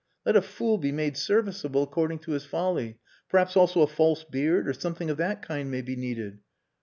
Let a fool be made serviceable according to his folly. Perhaps also a false beard or something of that kind may be needed.